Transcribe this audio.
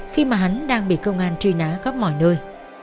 khi mà hắn đang bị công an truy ná khắp mọi nơi